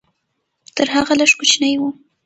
تر هغه لږ کوچنی و.